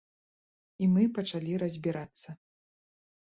І мы пачалі разбірацца.